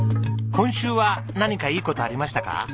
今週は何かいい事ありましたか？